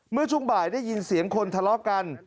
เมื่อช่วงบ่ายได้ยินเสียงคนทะเลาะกัน